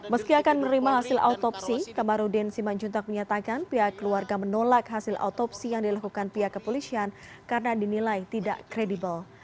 meski akan menerima hasil autopsi kamarudin simanjuntak menyatakan pihak keluarga menolak hasil autopsi yang dilakukan pihak kepolisian karena dinilai tidak kredibel